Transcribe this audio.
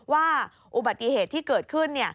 ว่าอุบัติเหตุที่เกิดขึ้น